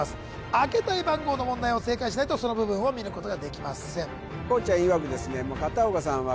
開けたい番号の問題を正解しないとその部分を見ることができません